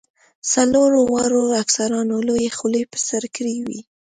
څلورو واړو افسرانو لویې خولۍ په سر کړې وې.